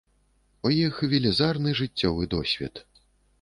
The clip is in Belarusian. У іх велізарны жыццёвы досвед.